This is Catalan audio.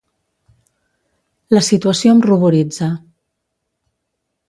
La situació em ruboritza.